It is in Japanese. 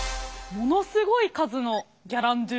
ものすごい数のギャランドゥ。